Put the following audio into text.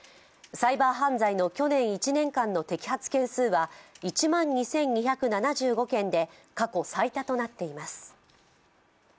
サイバー犯罪の去年１年間の摘発件数は１万２２７８件で過去最多となっています。